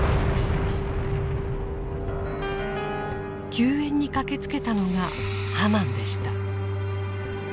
救援に駆けつけたのが「ハマン」でした。